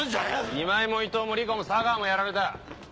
今井も伊藤も理子も佐川もやられた！